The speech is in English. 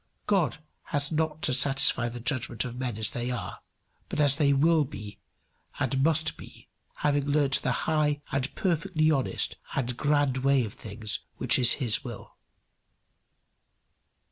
God has not to satisfy the judgment of men as they are, but as they will be and must be, having learned the high and perfectly honest and grand way of things which is his will.